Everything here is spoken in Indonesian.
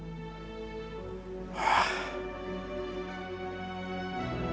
jangan lupa like share dan subscribe